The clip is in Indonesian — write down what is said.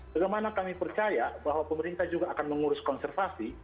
bagaimana kami percaya bahwa pemerintah juga akan mengurus konservasi